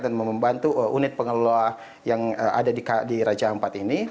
dan membantu unit pengelola yang ada di raja ampat